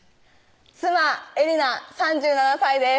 妻・絵梨奈３７歳です